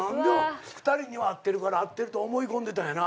２人には会ってるから会ってると思い込んでたんやな。